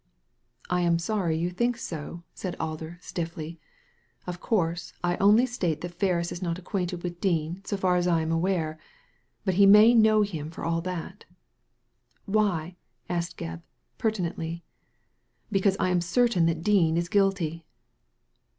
" I am sorry you think so," said Alder, stiffly. Of course I only state that Ferris is not acquainted with Dean, so far as I am aware ; but he may know him for all that." "Why?" asked Gebb, pertinently. '* Because I am certain that Dean is guilty.